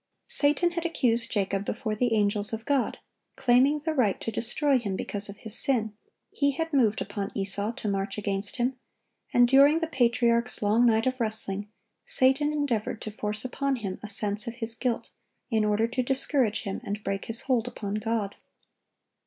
Satan had accused Jacob before the angels of God, claiming the right to destroy him because of his sin; he had moved upon Esau to march against him; and during the patriarch's long night of wrestling, Satan endeavored to force upon him a sense of his guilt, in order to discourage him, and break his hold upon God.